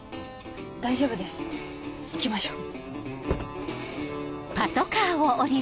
大丈夫です行きましょう。